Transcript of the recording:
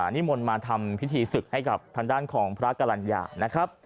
นิมนต์มาทำพิธีศึกให้กับทางด้านของพระกรรณญานะครับ